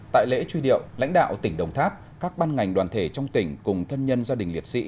tại lễ truy điệu lãnh đạo tỉnh đồng tháp các ban ngành đoàn thể trong tỉnh cùng thân nhân gia đình liệt sĩ